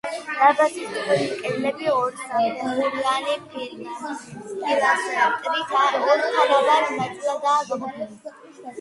დარბაზის წყვილი კედლები ორსაფეხურიანი პილასტრით ორ თანაბარ ნაწილადაა გაყოფილი.